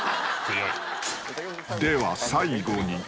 ［では最後に］